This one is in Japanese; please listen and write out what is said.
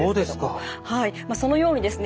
はいそのようにですね